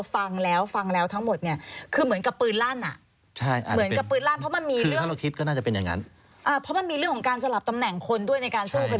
สมมุติถ้าเราพิสูจน์ต่อนะทานัยค่ะ